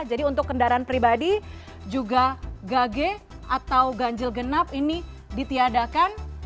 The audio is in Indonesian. jadi untuk kendaraan pribadi juga gage atau ganjil genap ini ditiadakan